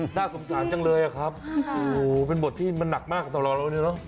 หน้าสงสารจังเลยครับเป็นบทที่มันหนักมากต่อเราเลยเนี่ยเนอะ